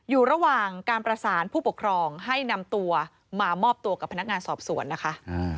อยู่ระหว่างการประสานผู้ปกครองให้นำตัวมามอบตัวกับพนักงานสอบสวนนะคะ